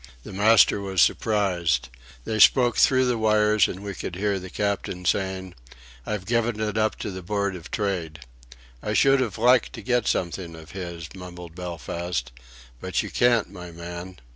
The master was surprised. They spoke through the wires, and we could hear the Captain saying: "I've given it up to the Board of Trade." "I should 've liked to get something of his," mumbled Belfast. "But you can't, my man.